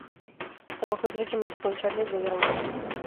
Trabajó estrechamente con Charles de Gaulle.